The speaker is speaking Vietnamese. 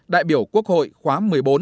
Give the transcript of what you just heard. đại biểu quốc hội khóa một mươi bốn một mươi năm